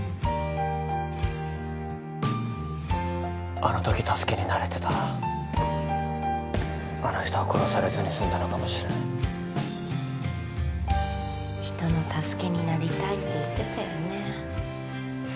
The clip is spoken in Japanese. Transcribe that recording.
あのとき助けになれてたらあの人は殺されずにすんだのかもしれない人の助けになりたいって言ってたよね